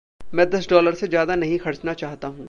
मैं दस डॉलर से ज़्यादा नहीं खर्चना चाह्ता हूँ।